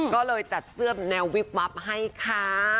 ก็เลยจัดเสื้อแนววิบวับให้ค่ะ